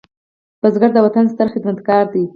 بزګر د وطن ستر خدمتګار دی